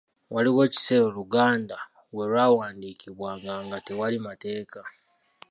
Waaliwo ekiseera Oluganda we lwawandiikibwanga nga tewali mateeka.